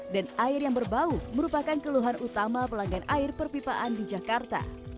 dan air yang berbau merupakan keluhan utama pelanggan air perpipaan di jakarta